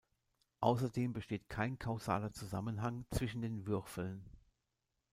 Außerdem besteht kein kausaler Zusammenhang zwischen den Würfeln.